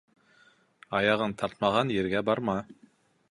Аяғын тартмаған ергә барма.